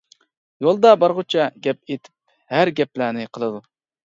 يولدا بارغۇچە گەپ ئېتىپ، ھەر گەپلەرنى قىلىدۇ.